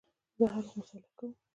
زه هر وخت مطالعه کوم